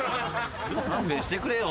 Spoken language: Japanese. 勘弁してくれよ